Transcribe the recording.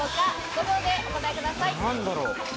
５秒でお答えください。